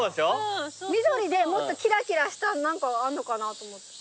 緑でもっとキラキラした何かあんのかなって。